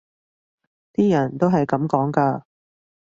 啲人都係噉講㗎